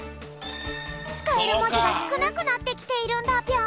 つかえるもじがすくなくなってきているんだぴょん。